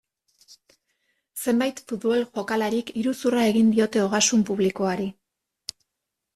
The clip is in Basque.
Zenbait futbol jokalarik iruzurra egin diote ogasun publikoari.